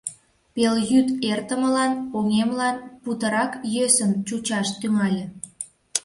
Пелйӱд эртымылан оҥемлан путырак йӧсын чучаш тӱҥале.